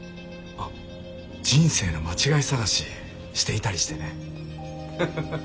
人生の間違い探ししていたりしてね。